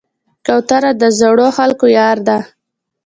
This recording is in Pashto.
کوتره د زړو خلکو یار ده.